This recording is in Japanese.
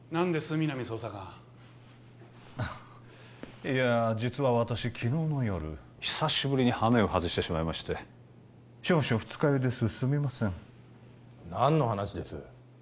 皆実捜査官いや実は私昨日の夜久しぶりにハメを外してしまいまして少々二日酔いですすみません何の話です？